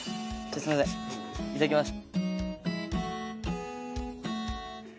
すいませんいただきます。